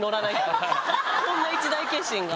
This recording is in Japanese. こんな一大決心が。